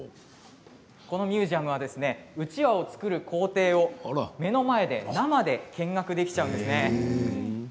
このミュージアムはうちわを作る工程を目の前で生で見ることができるんです。